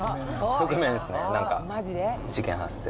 覆面っすね、なんか事件発生。